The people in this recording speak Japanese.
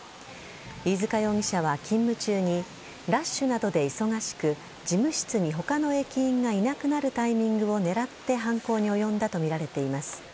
飯塚容疑者は勤務中にラッシュなどで忙しく事務室に他の駅員がいなくなるタイミングを狙って犯行に及んだとみられています。